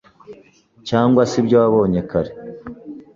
cyangwa se ibyo wabonye kare .